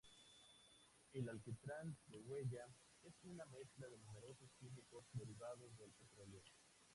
El alquitrán de hulla es una mezcla de numerosos químicos, derivados del petróleo.